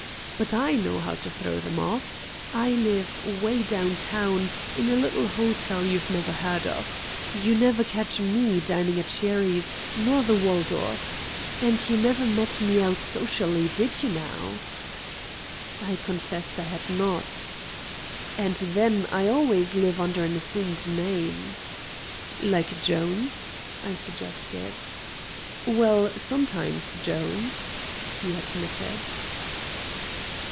But I know how to throw them off. I live 'way down town in a little hotel you never heard of. You never catch me dining at Sherry's nor the Waldorf. And you never met me out socially, did you, now?" I confessed I had not. "And then, I always live under an assumed name." "Like 'Jones'?" I suggested. "Well, sometimes 'Jones'," he admitted.